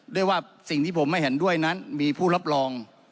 ด้วยว่าสิ่งที่ผมไม่เห็นด้วยนั้นมีผู้รับรอง